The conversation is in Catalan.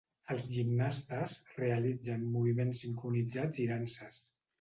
Els gimnastes realitzen moviments sincronitzats i danses.